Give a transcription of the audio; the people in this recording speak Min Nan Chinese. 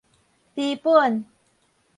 知本